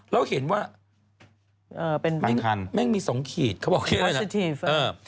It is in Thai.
แล้วเห็นว่าแม่งมี๒เขียดเขาบอกว่าโคซิทีฟ